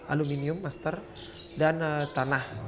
aluminium master dan tanah